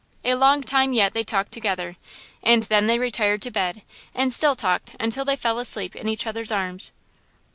A long time yet they talked together, and then they retired to bed, and still talked until they fell asleep in each other's arms.